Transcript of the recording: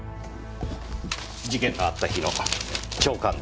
事件のあった日の朝刊です。